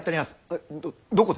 えっどどこで？